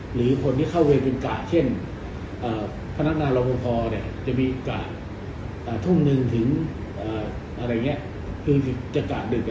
หรือคนที่เข้าเวรเป็นกะเช่นพนักงานรองคมพอจะมีกะทุ่มหนึ่งถึงจากกะดึก